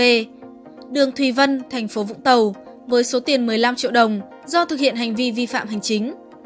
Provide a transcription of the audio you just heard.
c đường thùy vân tp vũng tàu với số tiền một mươi năm triệu đồng do thực hiện hành vi vi phạm hành chính